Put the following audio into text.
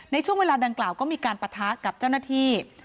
ในช่วงเวลาดังกล่าวก็มีการปะทะกับเจ้าหน้าที่